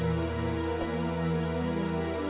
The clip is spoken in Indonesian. kayaknya aku harus pulang sekarang deh kang